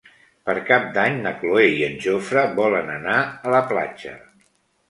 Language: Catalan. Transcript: Per Cap d'Any na Cloè i en Jofre volen anar a la platja.